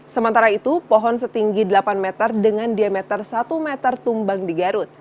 sementara itu pohon setinggi delapan meter dengan diameter satu meter tumbang di garut